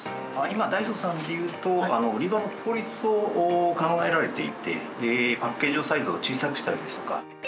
今ダイソーさんでいうと売り場の効率を考えられていてパッケージのサイズを小さくしたりですとか。